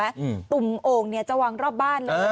อืมตุ่มโอ่งเนี้ยจะวางรอบบ้านเลย